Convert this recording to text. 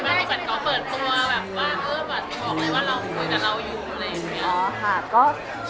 เป็นสิ่งที่มันก็เปิดตัวแบบว่าเออบอกเลยว่าเราคุยกับเราอยู่อะไรอย่างเงี้ย